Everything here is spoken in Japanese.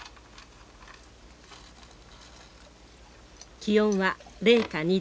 気温は零下２度。